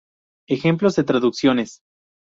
Ejemplos de traducciones